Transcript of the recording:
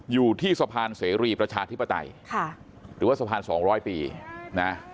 อยู่ที่สะพานเสรีประชาธิปไตยค่ะหรือว่าสะพานสองร้อยปีนะ